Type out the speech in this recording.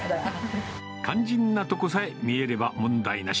肝心なとこさえ見えれば問題なし。